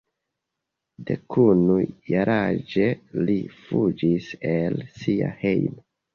Dekunu jaraĝe li fuĝis el sia hejmo.